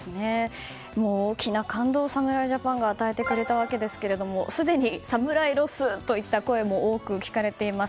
大きな感動を侍ジャパンが与えてくれたわけですがすでに「侍ロス」といった声も多く聞かれています。